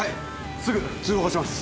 すぐ通報します。